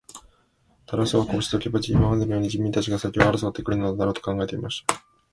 タラス王はこうしておけば、今までのように人民たちが先を争って来るだろう、と考えていました。